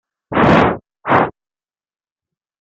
S sait son couple en péril.